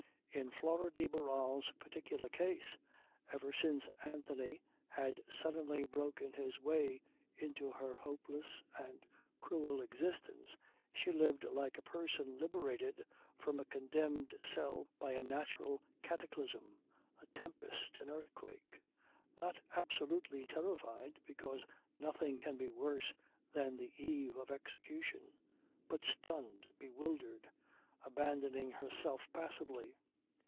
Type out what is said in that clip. In Flora de Barral's particular case ever since Anthony had suddenly broken his way into her hopeless and cruel existence she lived like a person liberated from a condemned cell by a natural cataclysm, a tempest, an earthquake; not absolutely terrified, because nothing can be worse than the eve of execution, but stunned, bewildered abandoning herself passively.